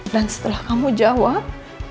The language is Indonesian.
dan setelah kamu jawab